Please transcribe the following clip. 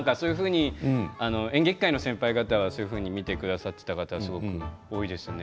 演劇界の先輩方はそういうふうに見てくださっていた方が多いですね。